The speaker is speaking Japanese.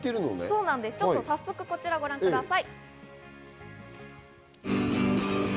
早速、こちらをご覧ください。